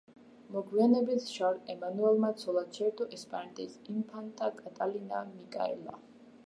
მოგვიანებით შარლ ემანუელმა ცოლად შეირთო ესპანეთის ინფანტა კატალინა მიკაელა.